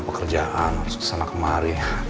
pekerjaan harus kesana kemari